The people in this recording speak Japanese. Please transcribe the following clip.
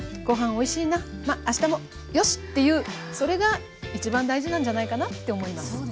ごはんおいしいなまあしたもよし！っていうそれが一番大事なんじゃないかなって思います。